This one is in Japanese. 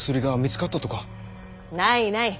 ないない。